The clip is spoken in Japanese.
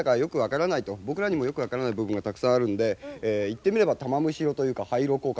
僕らにもよく分からない部分がたくさんあるんで言ってみれば玉虫色というか。